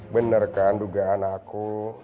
benarkan dugaan aku